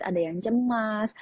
ada yang cemas